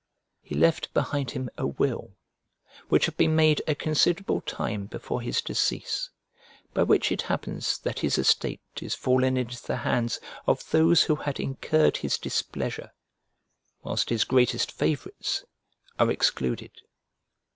He left behind him a will which had been made a considerable time before his decease, by which it happens that his estate is fallen into the hands of those who had incurred his displeasure, whilst his greatest favourites are excluded.